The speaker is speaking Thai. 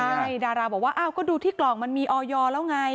ใช่ดาราบอกว่าอ้าวก็ดูที่กล่องมันมีออยแล้วไง